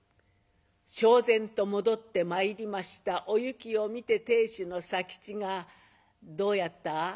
しょう然と戻ってまいりましたおゆきを見て亭主の佐吉が「どうやった？